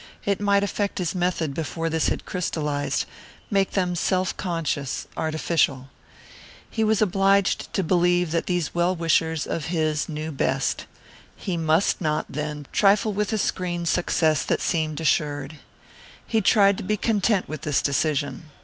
It might affect his method before this had crystallized; make them self conscious, artificial. He was obliged to believe that these well wishers of his knew best. He must not, then, trifle with a screen success that seemed assured. He tried to be content with this decision.